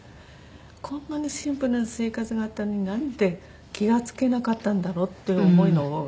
こんなにシンプルな生活があったのになんで気が付けなかったんだろうっていう思いの方が大きくて。